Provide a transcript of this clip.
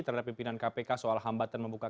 terhadap pimpinan kpk soal hambatan membuka